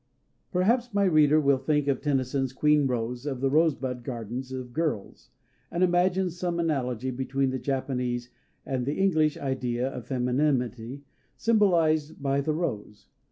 Perhaps my reader will think of Tennyson's "queen rose of the rosebud garden of girls," and imagine some analogy between the Japanese and the English idea of femininity symbolized by the rose.